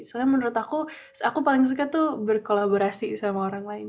karena menurut aku aku paling suka berkolaborasi sama orang lain